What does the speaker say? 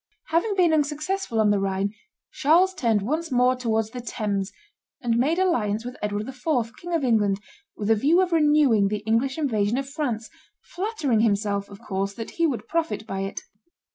Having been unsuccessful on the Rhine, Charles turned once more towards the Thames, and made alliance with Edward IV., King of England, with a view of renewing the English invasion of France, flattering himself, of course, that he would profit by it.